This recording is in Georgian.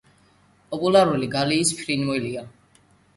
პოპულარული გალიის ფრინველია.